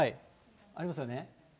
ありますよね。